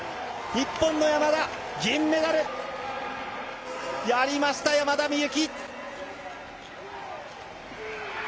日本の山田、銀メダル！やりました、山田美幸。